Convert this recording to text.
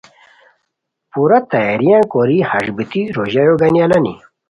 پورا تیاریان کوری ہݰ بیتی روژایو گانی الانی